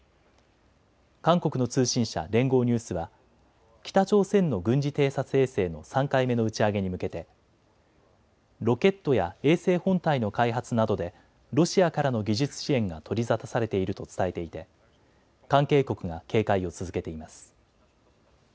韓国の通信社、連合ニュースは北朝鮮の軍事偵察衛星の３回目の打ち上げに向けてロケットや衛星本体の開発などでロシアからの技術支援が取り沙汰されていると伝えていて関係国が警戒を続けています。